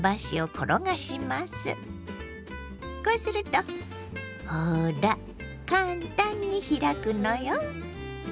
こうするとほら簡単に開くのよ。